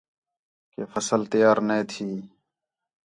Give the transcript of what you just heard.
کہ فصل تیار نے تھئی